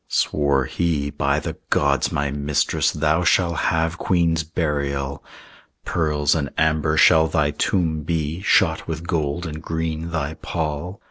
Swore he, "By the gods, my mistress, Thou shall have queen's burial. Pearls and amber shall thy tomb be; Shot with gold and green thy pall.